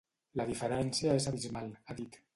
La diferència és abismal, ha dit.